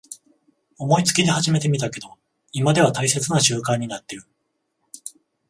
思いつきで始めてみたけど今では大切な習慣になってる